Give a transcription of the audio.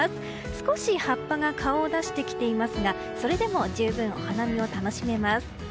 少し葉っぱが顔を出してきていますがそれでも十分お花見を楽しめます。